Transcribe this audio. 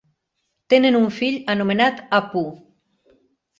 Tenen un fill anomenat Appu.